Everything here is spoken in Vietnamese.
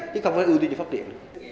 chứ không phải ưu tiên cho phát triển